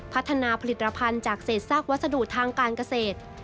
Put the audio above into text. พัฒนาผลิตภัณฑ์จากเศษซากวัสดุทางการเกษตร